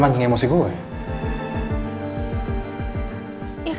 itu kadang satu picture oke